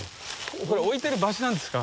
これ置いてる場所なんですか？